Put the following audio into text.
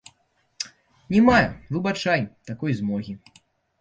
Не маю, выбачай, такой змогі.